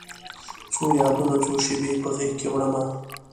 څو یادونه، څو شیبې په غیږکې وړمه